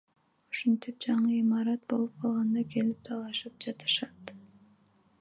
Ушинтип жаңы имарат болуп калганда келип талашып жатышат.